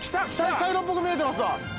茶色っぽく見えてますわ。